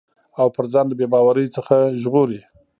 او پر ځان د بې باورٸ څخه ژغوري